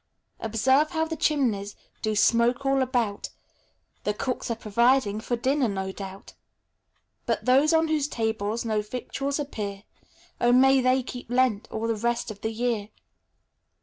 Observe how the chimneys Do smoke all about; The cooks are providing For dinner, no doubt; But those on whose tables No victuals appear, O may they keep Lent All the rest of the year.